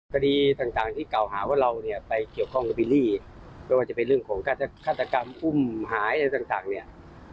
บริกรรมของพวกเราเนี่ย